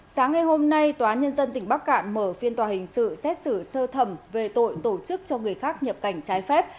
sáng ngày hôm nay tòa nhân dân tỉnh bắc cạn mở phiên tòa hình sự xét xử sơ thẩm về tội tổ chức cho người khác nhập cảnh trái phép